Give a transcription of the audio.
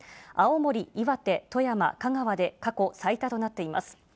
青森、岩手、富山、香川で過去最多となっています。